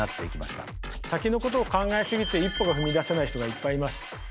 先のことを考えすぎて一歩が踏み出せない人がいっぱいいます。